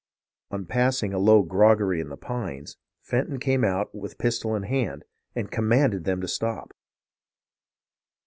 On passing a low groggery in the pines, Fenton came out with pistol in hand, and commanded them to stop.